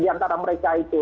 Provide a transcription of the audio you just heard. antara mereka itu